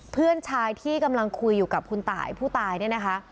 เพื่อนชายที่กำลังคุยอยู่กับคุณตายผู้ตายเนี่ยนะคะ